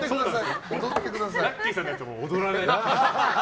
ラッキィさんのやつはもう踊らない。